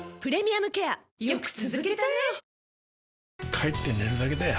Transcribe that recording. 帰って寝るだけだよ